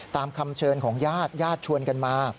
ตามคำเชิญของญาติญาติชวนกันมา